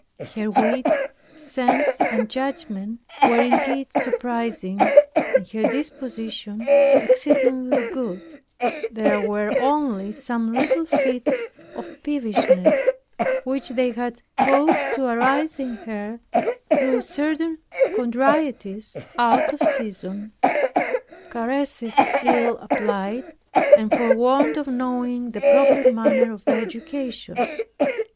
Her wit, sense and judgment, were indeed surprising, and her disposition exceedingly good. There were only some little fits of peevishness, which they had caused to arise in her, through certain contrarieties out of season, caresses ill applied, and for want of knowing the proper manner of education.